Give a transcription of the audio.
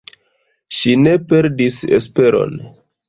Ŝi ne perdis esperon.